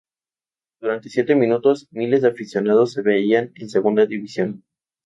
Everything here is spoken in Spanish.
Durante siete minutos, miles de aficionados se veían en Segunda División.